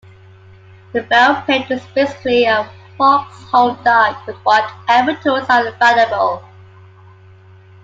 The bell pit is basically a foxhole dug with whatever tools are available.